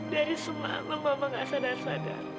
dari semua mama gak sadar sadar